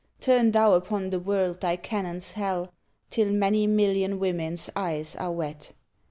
Turn thou upon the world thy cannons Hell, Till many million women s eyes are wet!